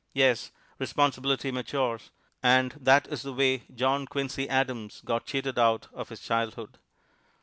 Yes, responsibility matures, and that is the way John Quincy Adams got cheated out of his childhood.